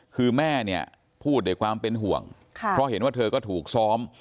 คือแม่เนี่ยพูดด้วยความเป็นห่วงเพราะเห็นว่าเธอก็ถูกซ้อม